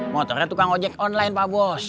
motornya tukang ojek online pak bos